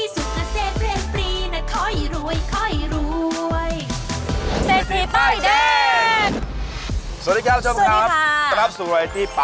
สุขเซฟเล่นปลีน่ะ